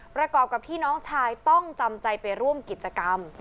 ประกอบกับที่น้องชายต้องจำใจไปร่วมกิจกรรม